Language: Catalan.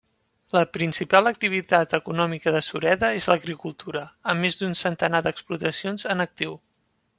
La principal activitat econòmica de Sureda és l'agricultura, amb més d'un centenar d'explotacions en actiu.